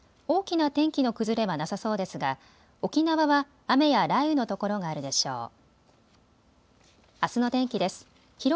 大きな天気の崩れはなさそうですが沖縄は雨や雷雨の所があるでしょう。